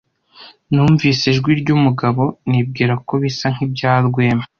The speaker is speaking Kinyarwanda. Numvise ijwi ryumugabo nibwira ko bisa nkibya Rwema.